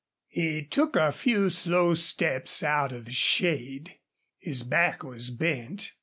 He took a few slow steps out of the shade. His back was bent.